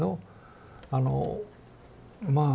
あのまあ